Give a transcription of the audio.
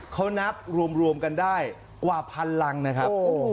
เขานับรวมกันได้กว่าพันรังนะครับ